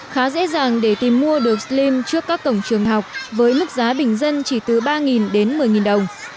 khá dễ dàng để tìm mua được slim trước các cổng trường học với mức giá bình dân chỉ từ ba đến một mươi đồng